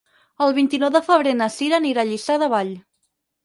El vint-i-nou de febrer na Cira anirà a Lliçà de Vall.